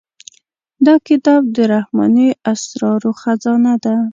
دا کتاب د رحماني اسرارو خزانه ده.